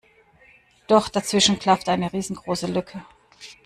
Doch dazwischen klafft eine riesengroße Lücke.